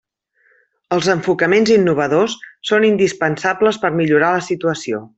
Els enfocaments innovadors són indispensables per a millorar la situació.